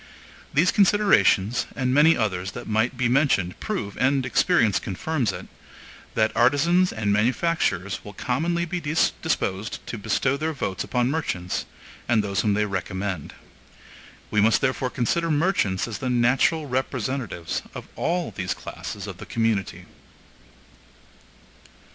These considerations, and many others that might be mentioned prove, and experience confirms it, that artisans and manufacturers will commonly be disposed to bestow their votes upon merchants and those whom they recommend. We must therefore consider merchants as the natural representatives of all these classes of the community.